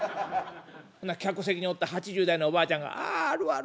ほな客席におった８０代のおばあちゃんが「ああるある」